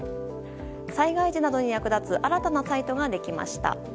災害時などに役立つ新たなサイトができました。